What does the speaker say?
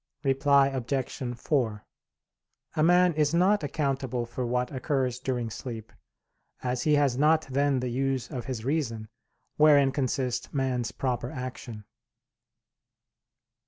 Reply Obj. 4: A man is not accountable for what occurs during sleep; as he has not then the use of his reason, wherein consists man's proper action.